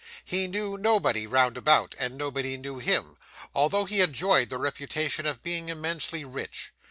He knew nobody round about, and nobody knew him, although he enjoyed the reputation of being immensely rich.